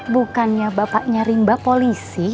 bukannya bapaknya rimba polisi